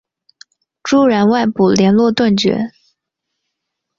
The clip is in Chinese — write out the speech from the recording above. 朱然外部连络断绝。